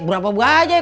berapa baju aja